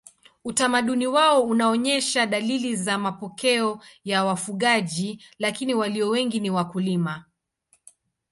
Utamaduni wao unaonyesha dalili za mapokeo ya wafugaji lakini walio wengi ni wakulima.